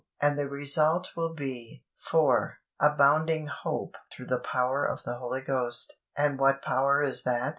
And the result will be: 4. Abounding "hope through the power of the Holy Ghost." And what power is that?